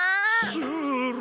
シュール！